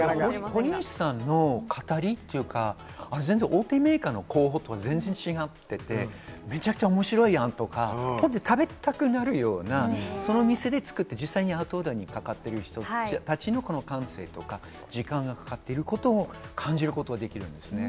堀西さんの語りというか、全然、大手メーカーの広報とは違っていて、めちゃくちゃ面白い案とか、食べたくなるような、その店で作って実際にアウトドアに関わっている人たちの感性とか、時間がかかっていることを感じることができるんです。